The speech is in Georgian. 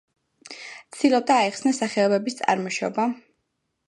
ცდილობდა აეხსნა სახეობების წარმოშობა.